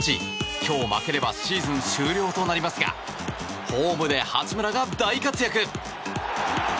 今日負ければシーズン終了となりますがホームで八村が大活躍！